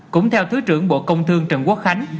cũng theo thứ trưởng bộ công thương trần quốc khánh